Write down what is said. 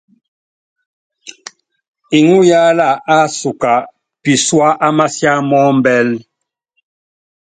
Iŋúyaála ásuba pisuá á masiá mɔ́ ɔmbɛ́l.